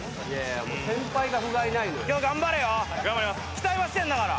期待はしてんだから。